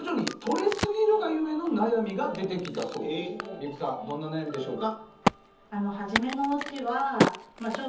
美紅さんどんな悩みでしょうか？